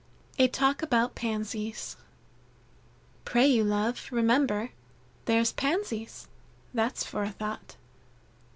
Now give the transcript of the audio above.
A Talk About Pansies. "Pray you love, remember, There's Pansies that's for thought."